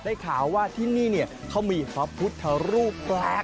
ข่าวว่าที่นี่เขามีพระพุทธรูปแปลก